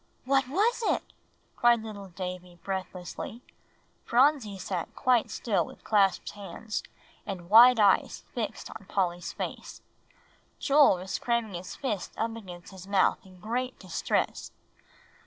"What was it?" cried little Davie breathlessly. Phronsie sat quite still with clasped hands, and wide eyes fixed on Polly's face. Joel was cramming his fists up against his mouth in great distress.